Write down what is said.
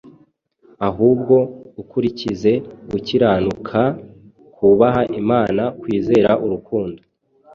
ahubwo ukurikize gukiranuka, kubaha Imana, kwizera, urukundo,